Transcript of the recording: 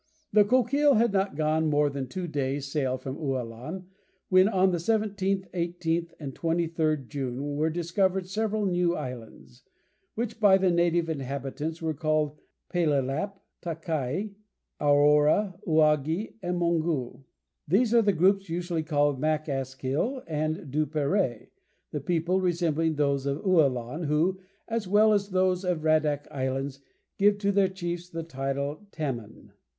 The Coquille had not gone more than two days' sail from Ualan, when on the 17th, 18th, and 23rd June were discovered several new islands, which by the native inhabitants were called Pelelap, Takai, Aoura, Ougai, and Mongoul. These are the groups usually called Mac Askyll and Duperrey, the people resembling those of Ualan, who, as well as those of the Radak Islands, give to their chiefs the title of "Tamon."